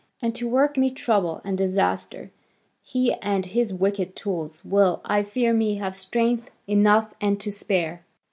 And to work me trouble and disaster, he and his wicked tools will, I fear me, have strength enough and to spare."